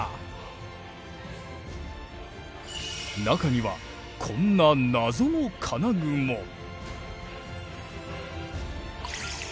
中にはこんな謎の金具も！